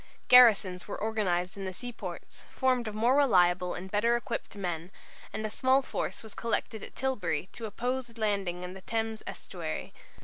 Garrisons were organized in the seaports, formed of more reliable and better equipped men, and a small force was collected at Tilbury to oppose a landing in the Thames estuary.